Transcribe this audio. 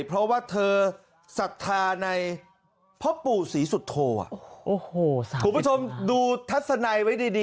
เพราะว่าเธอศรัทธาในพ่อปู่ศรีสุโธคุณผู้ชมดูทัศนัยไว้ดีดี